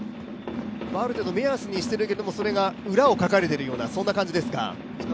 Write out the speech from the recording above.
ある程度目安にしてるけどそれが裏をかかれてる、そんな感じですか？